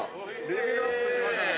レベルアップしましたね。